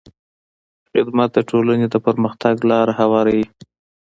خدمت د ټولنې د پرمختګ لاره هواروي.